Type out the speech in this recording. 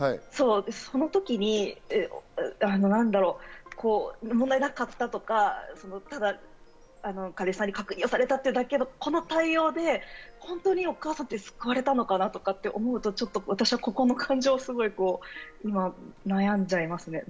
その時に問題なかったとか、彼氏さんに確認されただけというこの対応で本当にお母さんって救われたのかなって思うと私はここの感情を悩んでしまいますね。